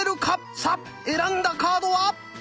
さあ選んだカードは。